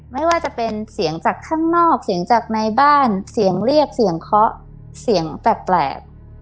ไม่ว่าจะเป็นเสียงจากข้างนอกเสียงจากในบ้านเสียงเรียกเสียงเคาะเสียงแปลก